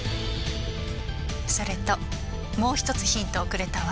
それともう１つヒントをくれたわ。